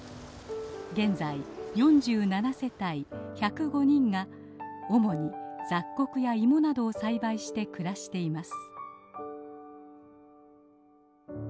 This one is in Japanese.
現在４７世帯１０５人が主に雑穀や芋などを栽培して暮らしています。